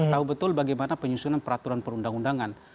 tahu betul bagaimana penyusunan peraturan perundang undangan